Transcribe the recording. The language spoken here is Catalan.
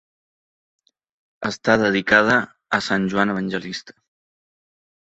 Està dedicada a Sant Joan Evangelista.